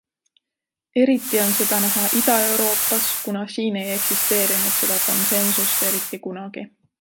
Eriti on seda näha Ida-Euroopas, kuna siin ei eksisteerinud seda konsensust eriti kunagi.